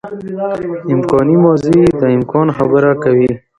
امکاني ماضي د امکان خبره کوي.